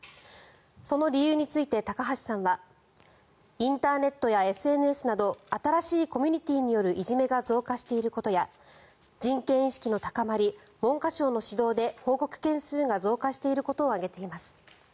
その理由について高橋さんはインターネットやＳＮＳなど新しいコミュニティーによるいじめが増加していることや人権意識の高まり文科省の指導で報告件数が増加していることを挙げています。